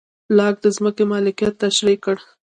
لاک د ځمکې مالکیت تشرېح کړ.